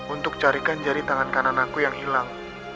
untuk carikan jari tangan kanan aku yang hilang